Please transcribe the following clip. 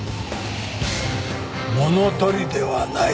物取りではない。